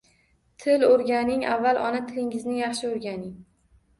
Til o'rganing, avval ona tilingizni yaxshi o'rganing